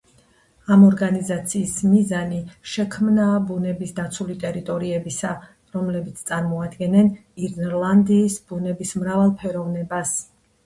ამ ორგანიზაციის მიზანი შექმნაა ბუნების დაცული ტერიტორიებისა, რომლებიც წარმოადგენენ ირლანდიის ბუნების მრავალფეროვნებას.